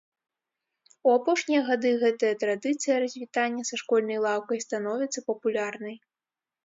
У апошнія гады гэтая традыцыя развітання са школьнай лаўкай становіцца папулярнай.